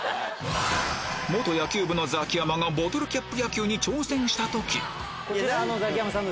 野球部のザキヤマがボトルキャップ野球に挑戦した時ザキヤマさんの。